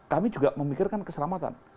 kami juga memikirkan keselamatan